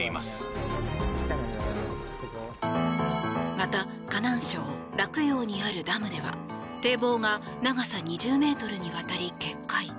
また河南省洛陽にあるダムでは堤防が長さ２０ｍにわたり決壊。